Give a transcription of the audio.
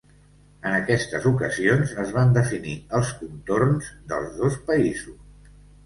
En aquestes ocasions, es van definir els contorns dels dos països.